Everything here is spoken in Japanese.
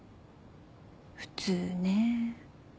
普通ね。